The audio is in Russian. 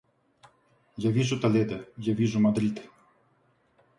Я вижу Толедо, я вижу Мадрид.